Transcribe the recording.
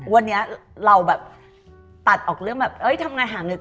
วันนี้เราตัดออกเรื่องทำงานหาเงิน